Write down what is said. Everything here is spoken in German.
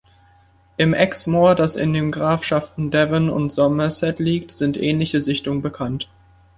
Im Exmoor, das in den Grafschaften Devon und Somerset liegt, sind ähnliche Sichtungen bekannt.